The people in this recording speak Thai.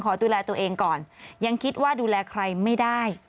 ขอดูแลตัวเองก่อนยังคิดว่าดูแลใครไม่ได้